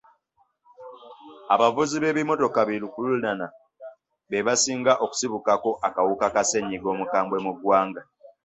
Abavuzi b'ebimmotoka bi lukululana be basinga okusibukako akawuka ka ssenyiga omukambwe mu ggwanga.